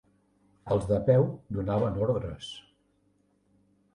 Els de peu donaven ordres